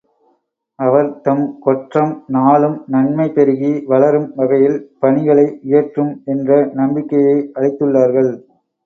அவர் தம் கொற்றம், நாளும் நன்மைபெருகி வளரும் வகையில் பணிகளை இயற்றும் என்ற நம்பிக்கையை அளித்துள்ளார்கள்.